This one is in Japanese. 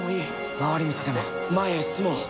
回り道でも前へ進もう。